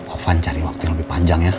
ovan cari waktu yang lebih panjang ya